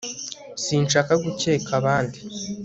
sinshaka gukeka abandi